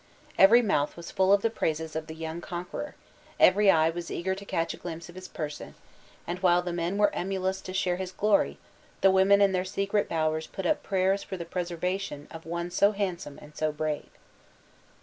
Every mouth was full of the praises of the young conqueror; every eye was eager to catch a glimpse of his person; and while the men were emulous to share his glory, the women in their secret bowers put up prayers for the preservation of one so handsome and so brave.